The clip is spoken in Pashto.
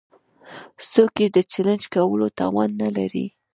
څوک يې د چلېنج کولو توان نه لري.